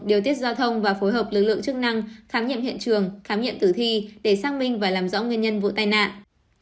điều tiết giao thông và phối hợp lực lượng chức năng khám nghiệm hiện trường khám nghiệm tử thi để xác minh và làm rõ nguyên nhân vụ tai nạn